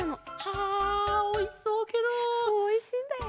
そうおいしいんだよ。